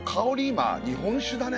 今日本酒だね。